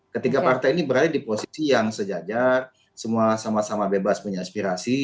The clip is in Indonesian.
ketiga partai ini berada di posisi yang sejajar semua sama sama bebas punya aspirasi